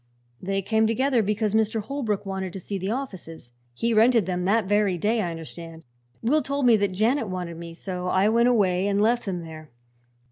"They came together, because Mr. Holbrook wanted to see the offices. He rented them that very day, I understand. Will told me that Janet wanted me, so I went away and left them there.